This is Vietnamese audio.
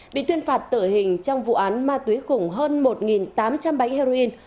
bị tuyên phạt tử hình trong vụ án ma túy khủng hơn một tám trăm linh bánh heroin